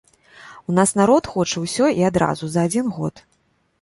У нас народ хоча ўсё і адразу за адзін год.